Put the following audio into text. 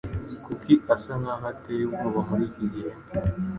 Kuki asa nkaho ateye ubwoba muri iki gihe?